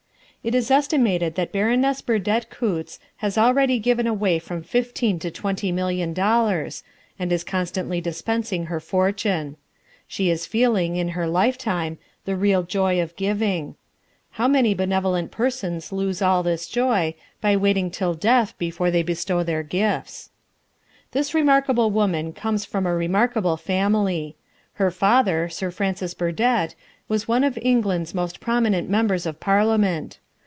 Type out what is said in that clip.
It is estimated that Baroness Burdett Coutts has already given away from fifteen to twenty million dollars, and is constantly dispensing her fortune. She is feeling, in her lifetime, the real joy of giving. How many benevolent persons lose all this joy, by waiting till death before they bestow their gifts. This remarkable woman comes from a remarkable family. Her father, Sir Francis Burdett, was one of England's most prominent members of Parliament.